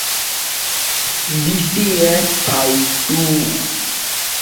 সেখানে তিনি দুই বছর পড়াশোনা করেন।